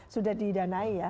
sudah didanai ya